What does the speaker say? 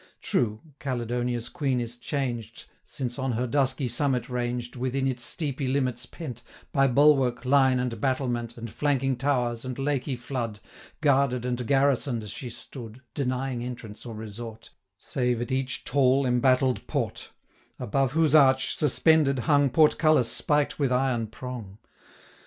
True, Caledonia's Queen is changed, Since on her dusky summit ranged, Within its steepy limits pent, By bulwark, line, and battlement, 40 And flanking towers, and laky flood, Guarded and garrison'd she stood, Denying entrance or resort, Save at each tall embattled port; Above whose arch, suspended, hung 45 Portcullis spiked with iron prong.